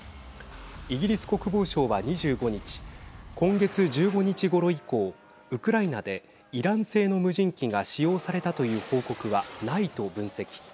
イギリス国防省は２５日今月１５日ごろ以降ウクライナでイラン製の無人機が使用されたという報告はないと分析。